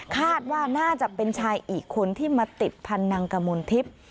คาดว่าน่าจะเป็นชายอีกคนที่มาติดพันธุ์นางกมลทิพย์